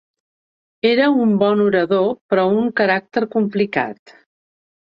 Era un bon orador però d'un caràcter complicat.